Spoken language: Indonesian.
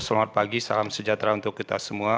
selamat pagi salam sejahtera untuk kita semua